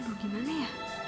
aduh gimana ya